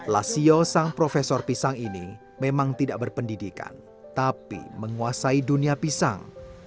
lasio sang profesor pisang ini memang tidak berpendidikan tapi menguasai dunia pisang